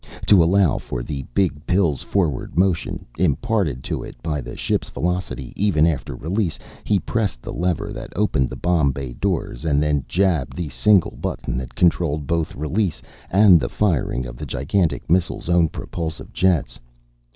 To allow for the Big Pill's forward motion, imparted to it by the ship's velocity even after release, he pressed the lever that opened the bomb bay doors, and then jabbed the single button that controlled both release, and the firing of the gigantic missile's own propulsive jets.